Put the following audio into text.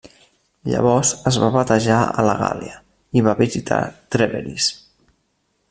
Llavors es va batejar a la Gàl·lia, i va visitar Trèveris.